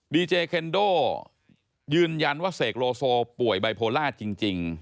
ดีเจเคนโดยืนยันว่าเสกโลโซป่วยไบโพล่าจริง